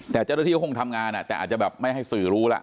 แต่เจ้าหน้าที่ก็คงทำงานแต่อาจจะแบบไม่ให้สื่อรู้แล้ว